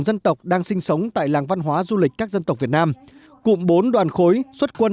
dân tộc đang sinh sống tại làng văn hóa du lịch các dân tộc việt nam cụm bốn đoàn khối xuất quân